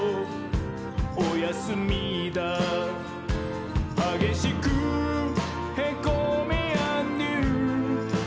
おやすみだー」「はげしくへこみーあんどゆー」